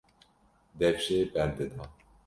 dev jê berdida.